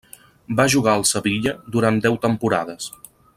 Va jugar al Sevilla durant deu temporades.